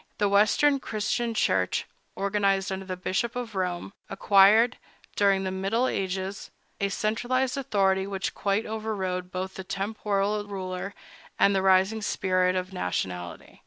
The Western Christian Church, organized under the Bishop of Rome, acquired, during the middle ages, a centralized authority which quite overrode both the temporal ruler and the rising spirit of nationality.